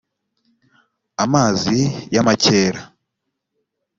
amazi y amakera